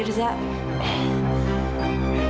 gak usah khawatir za